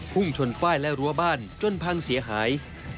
พุ่งชนป้ายและรั้วบ้านจนพังเสียหาย